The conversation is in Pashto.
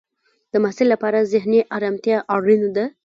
د محصل لپاره ذهنی ارامتیا اړینه ده.